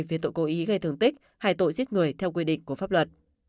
về tội cố ý gây thương tích hay tội giết người theo quy định của pháp luật